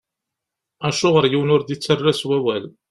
Acuɣeṛ yiwen ur d-ittarra s wawal?